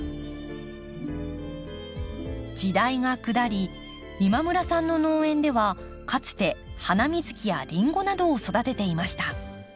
時代が下り今村さんの農園ではかつてハナミズキやリンゴなどを育てていました。